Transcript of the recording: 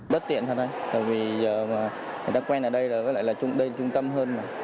bất tiện thôi thôi tại vì giờ mà người ta quen ở đây là có lẽ là đây là trung tâm hơn mà